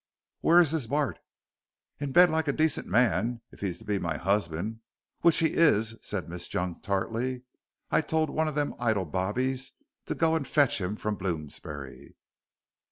"Where is this Bart?" "In bed like a decent man if he's to be my husband, which he is," said Miss Junk, tartly. "I told one of them idle bobbies to go and fetch him from Bloomsbury."